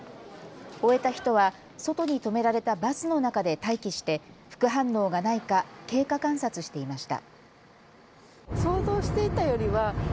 終えた人は外に止められたバスの中で待機して副反応がないか経過観察していました。